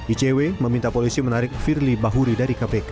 icw meminta polisi menarik firly bahuri dari kpk